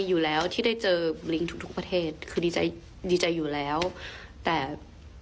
แต่แบบพอได้เห็นแบบปลายปลาสาทไทย